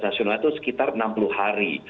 nasional itu sekitar enam puluh hari